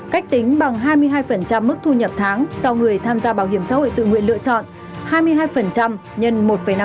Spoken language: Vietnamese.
cách tính bằng hai mươi hai mức thu nhập tháng do người tham gia bảo hiểm xã hội tự nguyện lựa chọn